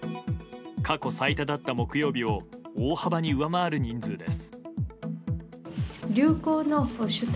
過去最多だった木曜日を大幅に上回る人数です。